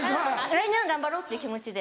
来年は頑張ろうっていう気持ちで。